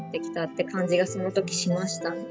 って感じがそのときしましたね。